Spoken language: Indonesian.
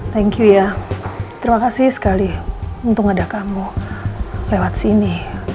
thank you ya terima kasih sekali untung ada kamu lewat sini